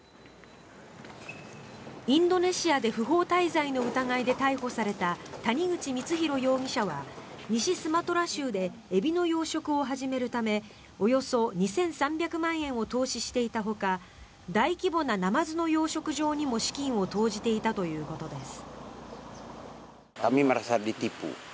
インドネシアで不法滞在の疑いで逮捕された谷口光弘容疑者は西スマトラ州でエビの養殖を始めるためおよそ２３００万円を投資していたほか大規模なナマズの養殖場にも資金を投じていたということです。